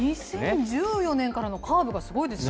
２０１４年からのカーブがすごいですね。